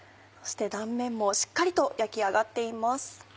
そして断面もしっかりと焼き上がっています。